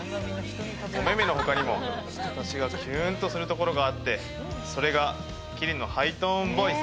おめめの他にも私がキュンとするところがあってそれがキリのハイトーンボイス